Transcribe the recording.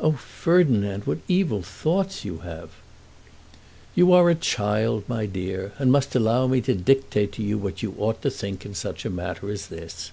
"Oh, Ferdinand, what evil thoughts you have!" "You are a child, my dear, and must allow me to dictate to you what you ought to think in such a matter as this.